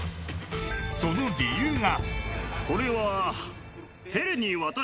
その理由が。